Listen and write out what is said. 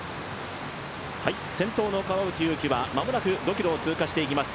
先頭の川内優輝は間もなく５ｋｍを通過していきます。